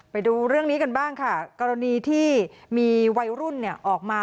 ไปดูเรื่องนี้กันบ้างค่ะกรณีที่มีวัยรุ่นเนี่ยออกมา